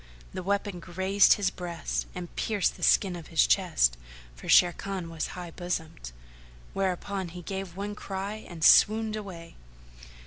The weapon grazed his breast, and pierced the skin of his chest, for Sharrkan was high bosomed: whereupon he gave one cry and swooned away.